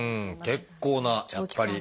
結構なやっぱり。